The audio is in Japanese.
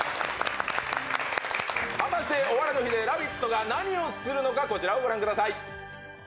果たして「お笑いの日」に「ラヴィット！」が何をするのか、こちらをご覧ください！